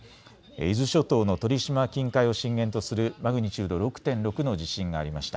伊豆諸島の鳥島近海を震源とするマグニチュード６．６の地震がありました。